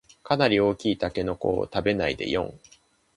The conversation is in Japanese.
かなり大きいタケノコを食べないでよん